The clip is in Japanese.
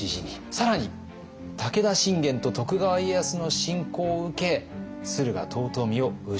更に武田信玄と徳川家康の侵攻を受け駿河遠江を失う。